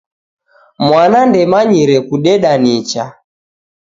Mwana ndemanyire kudeda nicha.